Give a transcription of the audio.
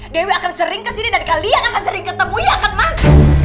dewi akan sering ke sini dan kalian akan sering ketemu ya kan mas